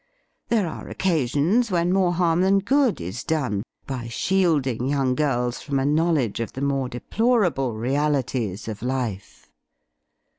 There are occasions when more harm than good is done by shielding young girls from a knowledge of the more deplorable realities of life.